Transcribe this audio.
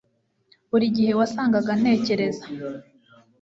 Buri gihe wasangaga ntekereza